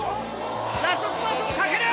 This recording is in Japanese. ラストスパートをかける！